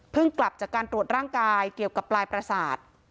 กลับจากการตรวจร่างกายเกี่ยวกับปลายประสาท